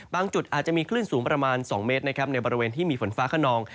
จุดอาจจะมีคลื่นสูงประมาณ๒เมตรนะครับในบริเวณที่มีฝนฟ้าขนอง